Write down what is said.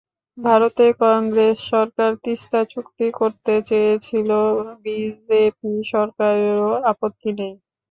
ভারতের কংগ্রেস সরকার তিস্তা চুক্তি করতে চেয়েছিল, বিজেপি সরকারেরও আপত্তি নেই।